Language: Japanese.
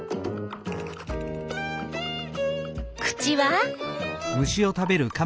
口は？